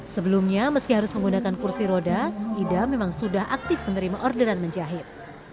sebelumnya meski harus menggunakan kursi roda ida memang sudah aktif menerima orderan menjahit